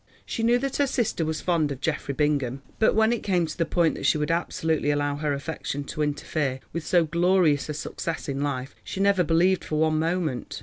She knew that her sister was fond of Geoffrey Bingham, but, when it came to the point that she would absolutely allow her affection to interfere with so glorious a success in life, she never believed for one moment.